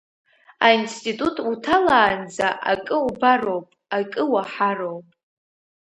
Аинститут уҭалаанӡа акы убароуп, акы уаҳароуп.